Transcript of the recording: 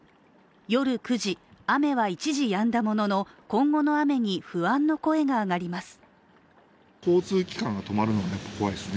夜９時、雨は一時やんだものの今後の雨に不安の声が上がります。